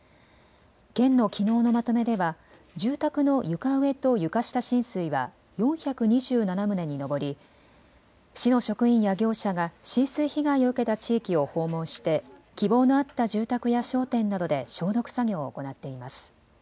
県のきのうのまとめでは住宅の床上と床下浸水は４２７棟に上り市の職員や業者が浸水被害を受けた地域を訪問して希望のあった住宅や商店などで消毒作業を行っています。